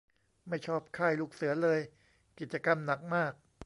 ไม่ชอบค่ายลูกเสือเลย กิจกรรมหนักมาก